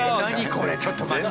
これちょっと待って。